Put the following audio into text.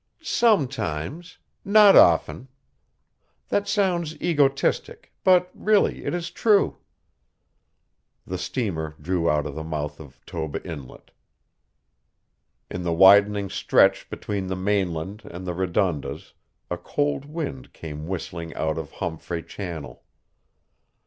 "Sometimes not often. That sounds egotistic, but really it is true." The steamer drew out of the mouth of Toba Inlet. In the widening stretch between the mainland and the Redondas a cold wind came whistling out of Homfray Channel.